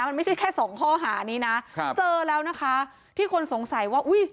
มันไม่ใช่แค่สองข้อหานี้นะครับเจอแล้วนะคะที่คนสงสัยว่าอุ้ย